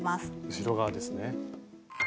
後ろ側ですね。